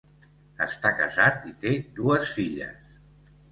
Està casat i té dues filles.